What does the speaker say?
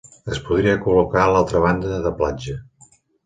Es podria col·locar a l'altra banda de platja.